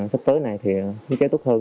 sắp tới này thì thiết kế tốt hơn